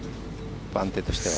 番手としては。